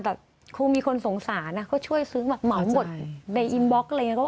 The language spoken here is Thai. แต่ครูมีคนสงสารน่ะก็ช่วยซื้อแบบเหมาะหมดในอินบ็อกซ์อะไรอย่างเงี้ย